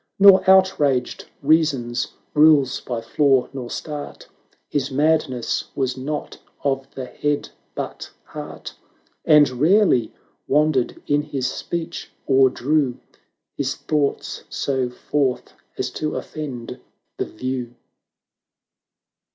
Nor outraged Reason's rules by flaw nor start, His Madness was not of the head, but heart ; And rarely wandered in his speech, or drew His thoughts so forth as to offend the view.